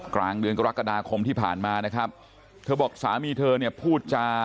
กลางเดือนกรกฎาคมที่ผ่านมานะครับเธอบอกสามีเธอเนี่ยพูดจา